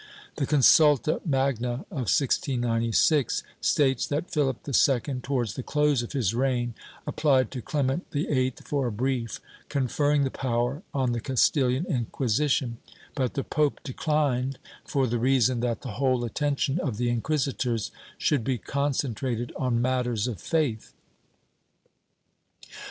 ^ The Consulta Magna of 1696 states that Philip II, towards the close of his reign, applied to Clement VIII for a brief conferring the power on the Castilian Inquisition, but the pope declined for the reason that the whole attention of the inciuisitors should be concentrated on matters of faith.